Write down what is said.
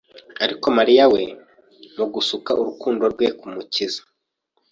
Ariko, Mariya we mu gusuka urukundo rwe ku Mukiza,